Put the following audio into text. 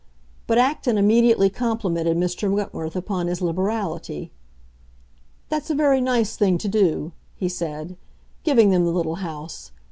But Acton immediately complimented Mr. Wentworth upon his liberality. "That's a very nice thing to do," he said, "giving them the little house.